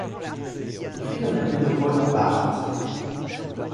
Il fut un ami de Roland Barthes.